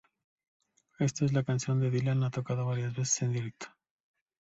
Esta es la canción que Dylan ha tocado más veces en directo.